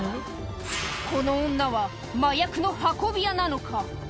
この女は、麻薬の運び屋なのか？